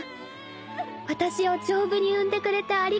私を丈夫に生んでくれてありがとう